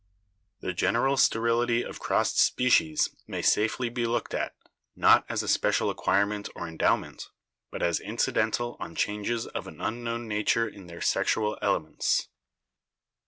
The general sterility of crossed species may safely be looked at, not as a special acquirement or endowment, but as incidental on changes of an unknown nature in their sexual elements."